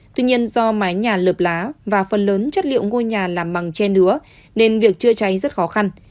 tuy nhiên do mái nhà lợp lá và phần lớn chất liệu ngôi nhà làm bằng tre nứa nên việc chữa cháy rất khó khăn